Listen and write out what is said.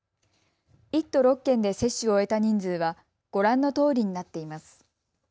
１都６県で接種を終えた人数はご覧のとおりになっています。